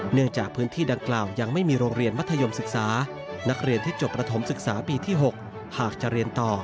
เนื่องจากพื้นที่ดังกล่าวยังไม่มีโรงเรียนมัธยมศึกษานักเรียนที่จบประถมศึกษาปีที่๖หากจะเรียนต่อ